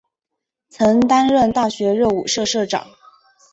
曾担任大学热舞社社长。